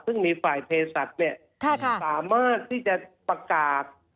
ซึ่งมีฝ่ายเพศัตริย์สามารถที่จะประกาศ